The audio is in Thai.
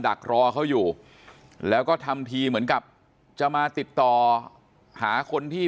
ดักรอเขาอยู่แล้วก็ทำทีเหมือนกับจะมาติดต่อหาคนที่